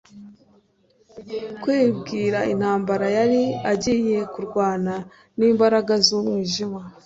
Kwibwira intambara yari agiye kurwana n'imbaraga z'umwijima,